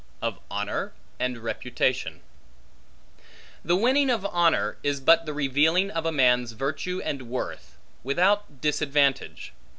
Of Honor And Reputation THE winning of honor, is but the revealing of a man's virtue and worth, without disadvantage.